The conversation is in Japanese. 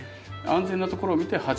安全なところを見て８℃。